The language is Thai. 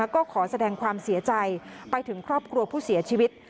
ก็ขอแสดงความเสียใจไปถึงครอบครัวผู้เสียชีวิต